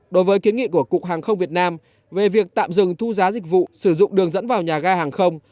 đối với kiến nghị của cục hàng không việt nam về việc tạm dừng thu giá dịch vụ sử dụng đường dẫn vào nhà ga hàng không